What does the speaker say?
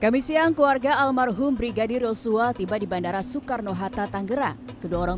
kami siang keluarga almarhum brigadir yosua tiba di bandara soekarno hatta tanggerang kedua orang